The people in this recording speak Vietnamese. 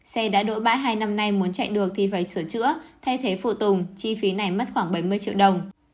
xe đã đỗ bãi hai năm nay muốn chạy được thì phải sửa chữa thay thế phụ tùng chi phí này mất khoảng bảy mươi triệu đồng